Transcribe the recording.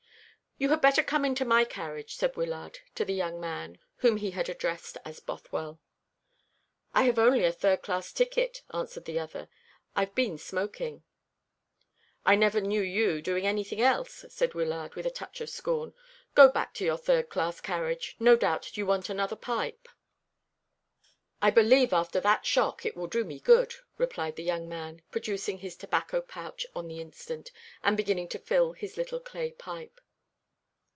"You had better come into my carriage," said Wyllard to the young man whom he had addressed as Bothwell. "I have only a third class ticket," answered the other. "I've been smoking." "I never knew you doing anything else," said Wyllard, with a touch of scorn. "Go back to your third class carriage. No doubt you want another pipe." "I believe after that shock it will do me good," replied the young man, producing his tobacco pouch on the instant, and beginning to fill his little clay pipe.